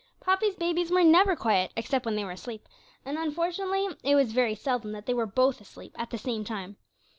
Poppy's babies were never quiet, except when they were asleep, and unfortunately it was very seldom that they were both asleep at the same time.